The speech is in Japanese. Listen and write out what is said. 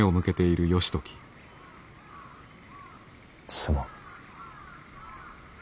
すまん。